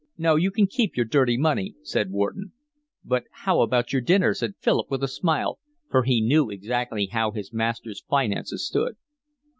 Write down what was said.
"No, you can keep your dirty money," said Wharton. "But how about your dinner?" said Philip, with a smile, for he knew exactly how his master's finances stood.